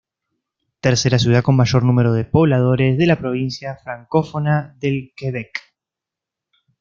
Tercera ciudad con mayor número de pobladores de la provincia francófona del Quebec.